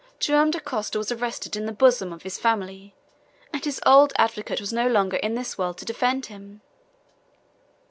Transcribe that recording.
Joam Dacosta was arrested in the bosom of his family, and his old advocate was no longer in this world to defend him!